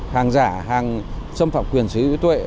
hàng giả hàng xâm phạm quyền sử dụy tuệ